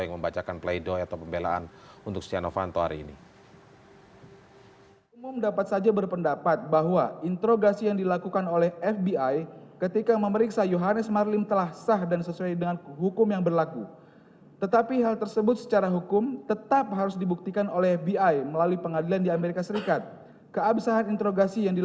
yang membacakan play doh atau pembelaan